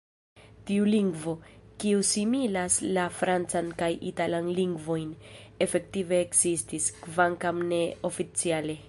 Tiu lingvo, kiu similas la francan kaj italan lingvojn, efektive ekzistis, kvankam ne oficiale.